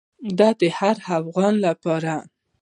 د هر افغان لپاره.